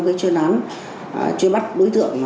cái chuyên án chuyên bắt đối tượng